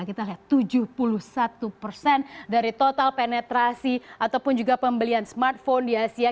kita lihat tujuh puluh satu persen dari total penetrasi ataupun juga pembelian smartphone di asia